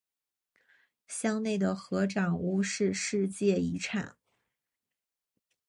乡内的合掌屋是世界遗产。